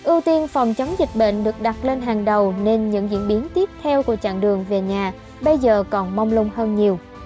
ưu tiên phòng chống dịch bệnh được đặt lên hàng đầu nên những diễn biến tiếp theo của chặng đường về nhà bây giờ còn mong lung hơn nhiều